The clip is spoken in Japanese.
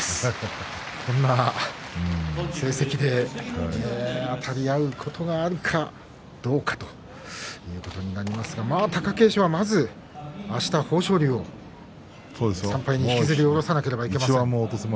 こんな成績であたり合うことがあるかどうかということですが貴景勝はまずは、あした豊昇龍を３敗に引きずり下ろさなければいけません。